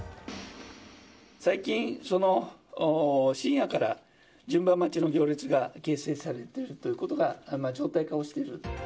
最近、深夜から順番待ちの行列が形成されているということが常態化をしている。